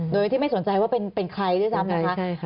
โดยที่ไม่สนใจว่าเป็นใครใช่ไหมคะ